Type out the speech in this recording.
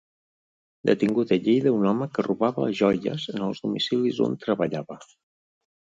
Detingut a Lleida un home que robava joies en els domicilis on treballava.